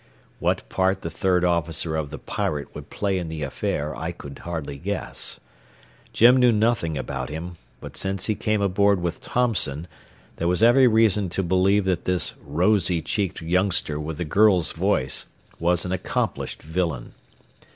What part the third officer of the Pirate would play in the affair I could hardly guess. Jim knew nothing about him, but since he came aboard with Thompson, there was every reason to believe that this rosy cheeked youngster with the girl's voice was an accomplished villain.